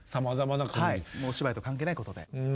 はいお芝居と関係ないことで。